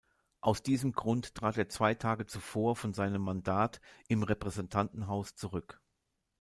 Aus diesem Grund trat er zwei Tage zuvor von seinem Mandat im Repräsentantenhaus zurück.